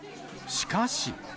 しかし。